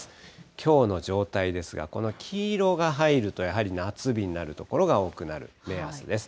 きょうの状態ですが、この黄色が入ると、やはり夏日になる所が多くなる目安です。